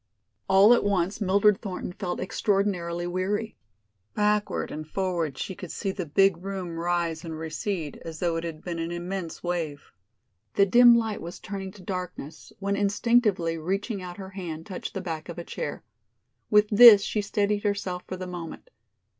All at once Mildred Thornton felt extraordinarily weary. Backward and forward she could see the big room rise and recede as though it had been an immense wave. The dim light was turning to darkness, when instinctively reaching out her hand touched the back of a chair. With this she steadied herself for the moment.